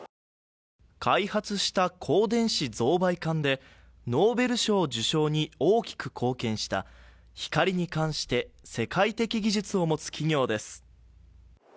開発した光電子増倍管でノーベル賞受賞に大きく貢献した光に関して世界的技術を持つ企業です。